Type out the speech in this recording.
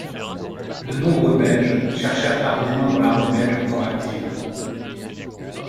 De nombreux Belges cherchèrent à rejoindre l’armée belge encore active.